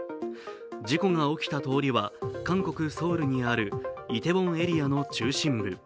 事故が起きた通りは韓国・ソウルにあるイテウォンエリアの中心部。